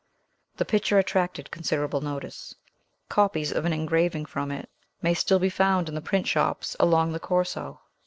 The picture attracted considerable notice. Copies of an engraving from it may still be found in the print shops along the Corso.